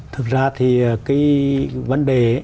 thực ra thì cái vấn đề